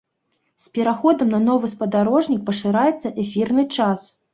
З пераходам на новы спадарожнік пашыраецца эфірны час.